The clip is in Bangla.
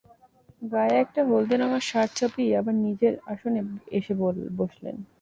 গায়ে একটা হলদে রঙা শার্ট চাপিয়ে আবার নিজের আসনে এসে বসলেন।